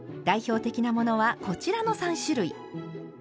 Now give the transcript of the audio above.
代表的なものはこちらの３種類。